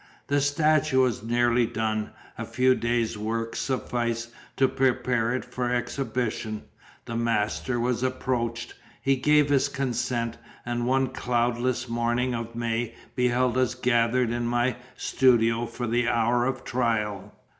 The statue was nearly done: a few days' work sufficed to prepare it for exhibition; the master was approached; he gave his consent; and one cloudless morning of May beheld us gathered in my studio for the hour of trial.